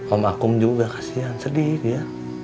om akum juga kasihan sedih dia